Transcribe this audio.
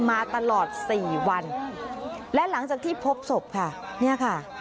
มาตลอดสี่วันและหลังจากที่พบศพค่ะเนี่ยค่ะ